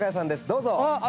どうぞ」